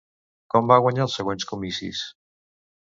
Com va guanyar als següents comicis?